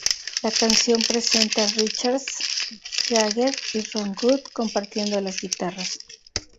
La canción presenta a Richards, Jagger y Ron Wood compartiendo las guitarras.